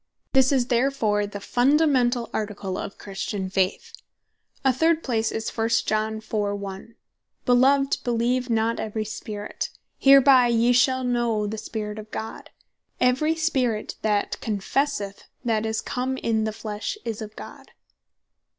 This is therefore the Fundamentall Article of Christian Faith. A third place is, 1 Joh. 4.1. "Beloved, beleeve not every spirit. Hereby yee shall know the Spirit of God; every spirit that confesseth that Jesus Christ is come in the flesh, is of God."